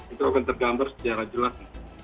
itu akan tergambar secara jelas